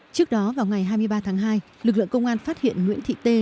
trước đó vào ngày hai mươi ba tháng hai lực lượng công an phát hiện nguyễn thị tê